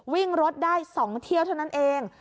วิ่งรถได้๒เที่ยวเท่านั้นเอง